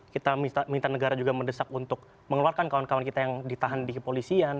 kita minta negara juga mendesak untuk mengeluarkan kawan kawan kita yang ditahan di kepolisian